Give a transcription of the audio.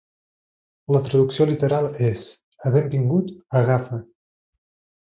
La traducció literal és "havent vingut, agafa".